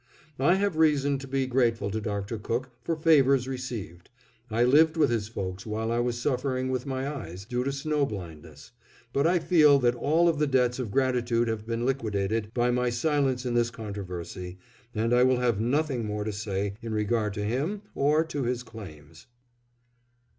I have reason to be grateful to Dr. Cook for favors received; I lived with his folks while I was suffering with my eyes, due to snow blindness, but I feel that all of the debts of gratitude have been liquidated by my silence in this controversy, and I will have nothing more to say in regard to him or to his claims.